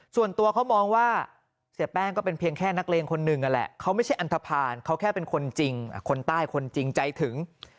ส่วนตัวเขามองว่าเสียแป้งก็เป็นเพียงแค่นักเลงคนหนึ่งนั่นแหละเขาไม่ใช่อันทภาณเขาแค่เป็นคนจริงคนใต้คนจริงใจถึง